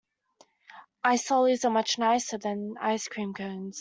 Ice lollies are much nicer than ice cream cones